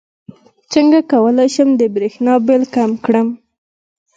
څنګه کولی شم د بریښنا بل کم کړم